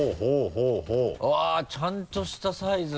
うわっちゃんとしたサイズの。